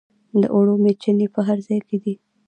د اوړو میچنې په هر ځای کې دي.